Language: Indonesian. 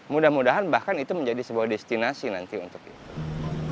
mudah mudahan bahkan itu menjadi sebuah destinasi nanti untuk itu